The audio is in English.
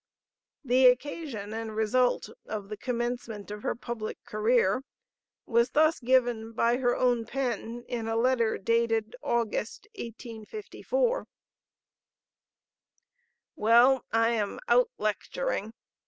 The occasion and result of the commencement of her public career was thus given by her own pen in a letter dated August, 1854: "Well, I am out lecturing.